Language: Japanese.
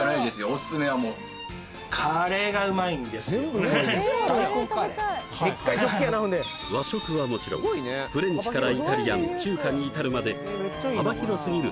おすすめはもう和食はもちろんフレンチからイタリアン中華に至るまで幅広すぎる